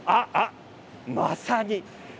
まさに！